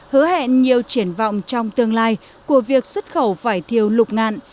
hứa hẹn nhiều triển vọng trong tương lai của việc xuất khẩu vải thiều lục ngạn